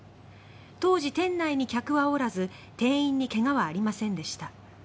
当時、店内に客はおらず店員に怪我はありませんでした。